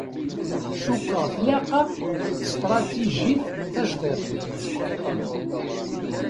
Cukkeɣ tlaq-aɣ tsetratijit tajdiṭ.